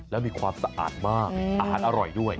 แล้วมีความสะอาดมากอาหารอร่อยด้วย